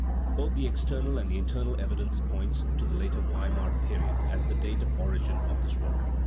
Both the external and the internal evidence point to the later Weimar period as the date of origin of this work.